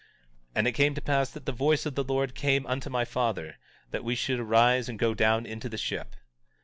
18:5 And it came to pass that the voice of the Lord came unto my father, that we should arise and go down into the ship.